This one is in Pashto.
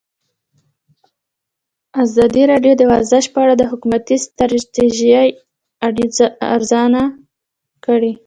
ازادي راډیو د ورزش په اړه د حکومتي ستراتیژۍ ارزونه کړې.